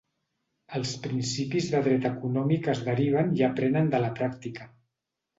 Els principis del Dret econòmic es deriven i aprenen de la pràctica.